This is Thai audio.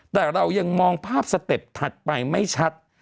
แต่เรายังมองภาพสเต็ปถัดไปไม่ชัด